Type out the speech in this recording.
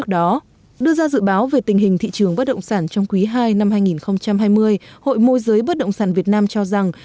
đưa ra dự báo về tình hình thị trường bất động sản trong quý ii năm hai nghìn hai mươi hội môi giới bất động sản việt nam cho rằng